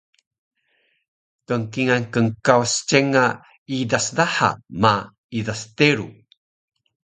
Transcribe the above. Knkingal knkawas cenga idas daha ma idas teru